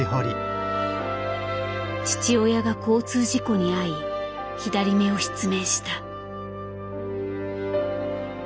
父親が交通事故に遭い左目を失明した。